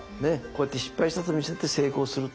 こうやって失敗したと見せて成功する。